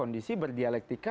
di siber dialektika